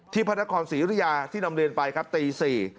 พระนครศรียุธยาที่นำเรียนไปครับตี๔